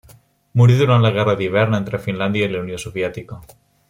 Morí durant la Guerra d'hivern entre Finlàndia i la Unió Soviètica.